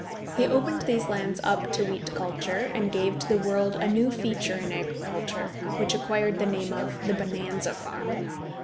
He opened these lands up to wheat culture, and gave to the world a new feature in agriculture, which acquired the name of the "Bonanza Farm."